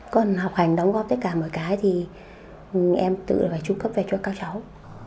con học hành đóng góp tất cả mọi cái thì em tự là trung cấp về cho các cháu